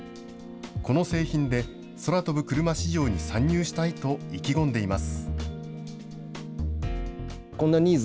この製品で空飛ぶクルマ市場に参入したいと意気込んでいます。